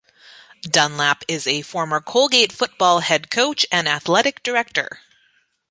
Dunlap is a former Colgate football head coach and athletic director.